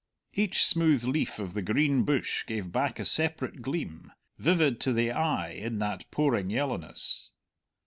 Each smooth leaf of the green bush gave back a separate gleam, vivid to the eye in that pouring yellowness.